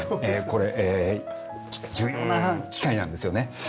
これ重要な機会なんですよね。